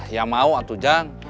ya mau atu jan